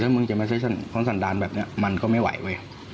ถ้าจะมาใช่คล้านสันดานแบบเนี่ยก็ไม่ไหว